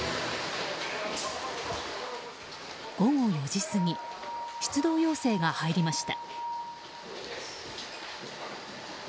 午後４時過ぎ出動要請が入りました。